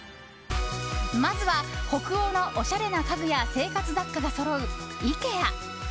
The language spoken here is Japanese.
まずは北欧のおしゃれ家具や生活雑貨がそろうＩＫＥＡ。